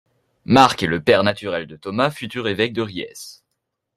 Marc est le père naturel de Thomas, futur évêque de Riez.